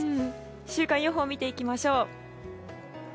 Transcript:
週間予報見ていきましょう。